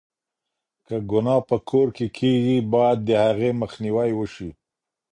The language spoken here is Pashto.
که گناه په کور کې کېږي، بايد د هغې مخنيوی وشي.